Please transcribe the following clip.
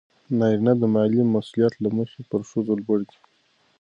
نارینه د مالي مسئولیت له مخې پر ښځو لوړ دی.